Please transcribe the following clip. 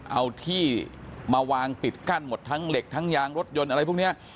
เอาที่มาวางปิดกั้นหมดทั้งเหล็กทั้งยางรถยนต์อะไรพวกนี้